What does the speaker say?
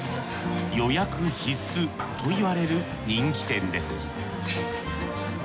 予約必須といわれる人気店です。